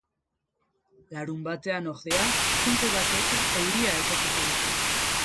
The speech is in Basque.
Larunbatean, ordea, fronte batek euria ekarriko du.